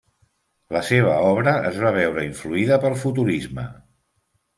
La seva obra es va veure influïda pel futurisme.